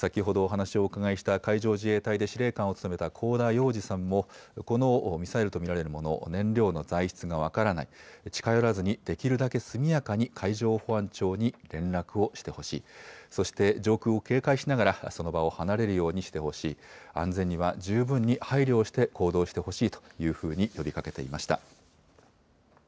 先ほどお話をお伺いした海上自衛隊で司令官を務めたこうだようじさんも、このミサイルと見られるもの、燃料のが分からない、近寄らずにできるだけ速やかに海上保安庁に連絡をしてほしい、そして上空を警戒しながら、その場を離れるようにしてほしい、安全には十分に配慮をして、行動してほしいというふうに呼びかけていました。